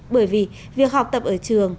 bởi vì việc học tập ở trường